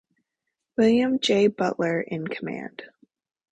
William J. Butler in command.